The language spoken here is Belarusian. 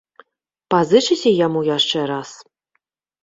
Пазычыце яму яшчэ раз?